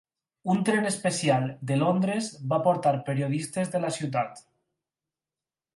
Un tren especial de Londres va portar periodistes de la ciutat.